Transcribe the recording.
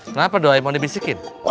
kenapa doi mau dibisikin